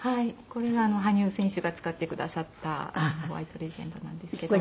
これが羽生選手が使ってくださった『ホワイト・レジェンド』なんですけど。